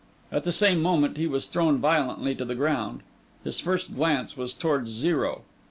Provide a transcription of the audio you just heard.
At the same moment, he was thrown violently to the ground. His first glance was towards Zero.